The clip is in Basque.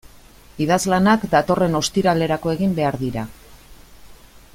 Idazlanak datorren ostiralerako egin behar dira.